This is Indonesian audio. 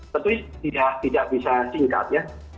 tentu ini tidak bisa singkat ya